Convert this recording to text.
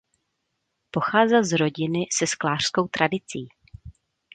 Pocházel z rodiny se sklářskou tradicí.